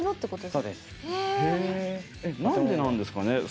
なんでなんですかね。